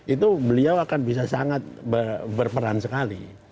itu beliau akan bisa sangat berperan sekali